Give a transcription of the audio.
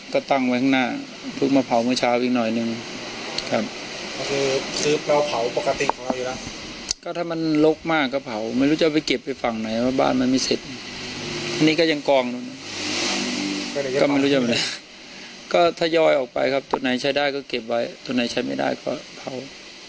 ก็ถ้าย่อยออกไปครับตัวไหนใช้ได้ก็เก็บไว้ตัวไหนใช้ไม่ได้ก็เผา